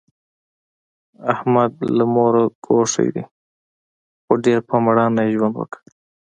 احمد له موره ګوښی دی، خو ډېر په مېړانه یې ژوند وکړ.